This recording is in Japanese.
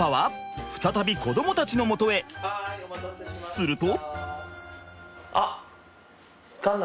すると。